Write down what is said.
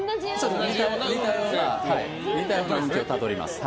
似たような運気をたどります。